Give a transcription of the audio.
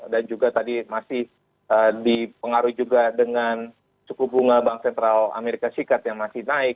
dan juga tadi masih dipengaruhi juga dengan cukup bunga bank sentral amerika syikat yang masih naik